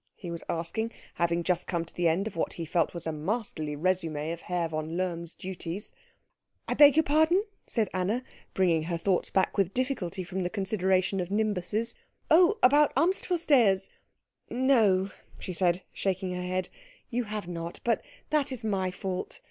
he was asking, having just come to the end of what he felt was a masterly résumé of Herr von Lohm's duties. "I beg your pardon?" said Anna, bringing her thoughts back with difficulty from the consideration of nimbuses, "Oh, about Amtsvorstehers no," she said, shaking her head, "you have not. But that is my fault.